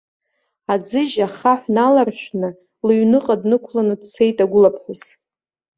Аӡыжь ахаҳә наларшәны, лыҩныҟа днықәланы дцеит агәылаԥҳәыс.